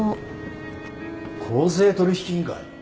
公正取引委員会？